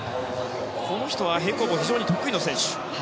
この人は平行棒非常に得意な選手。